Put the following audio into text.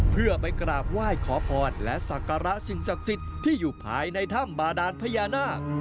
เพื่อไปกราบไหว้ขอพรและศักระสิ่งศักดิ์สิทธิ์ที่อยู่ภายในถ้ำบาดานพญานาค